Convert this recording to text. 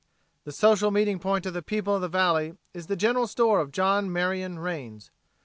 The social meeting point of the people of the valley is the general store of John Marion Rains.